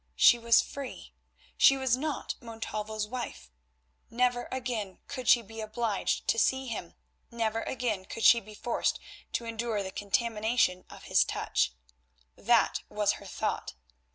She was free, she was not Montalvo's wife, never again could she be obliged to see him, never again could she be forced to endure the contamination of his touch—that was her thought.